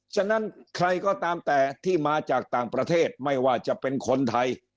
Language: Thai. ฉะนั้นใครก็ตามแต่ที่มาจากต่างประเทศไม่ว่าจะเป็นคนไทย